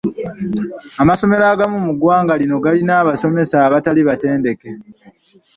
Amasomero agamu mu ggwanga lino galina abasomesa abatali batendeke.